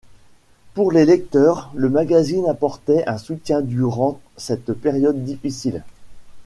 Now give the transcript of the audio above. Pour les lecteurs, le magazine apportait un soutien durant cette période difficile.